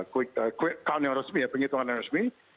quick count yang resmi ya penghitungan yang resmi